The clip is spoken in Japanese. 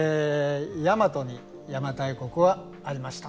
大和に邪馬台国はありました。